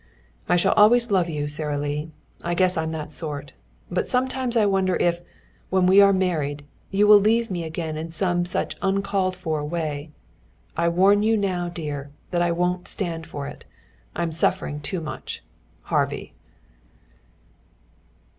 I shall always love you, Sara Lee. I guess I'm that sort. But sometimes I wonder if, when we are married, you will leave me again in some such uncalled for way. I warn you now, dear, that I won't stand for it. I'm suffering too much. HARVEY.